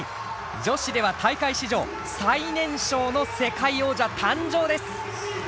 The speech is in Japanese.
女子では大会史上最年少の世界王者誕生です。